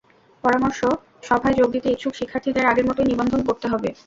পরামর্শ সভায় যোগ দিতে ইচ্ছুক শিক্ষার্থীদের আগের মতোই নিবন্ধন করতে হবে।